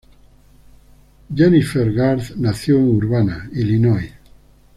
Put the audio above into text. Jennifer Garth nació en Urbana, Illinois.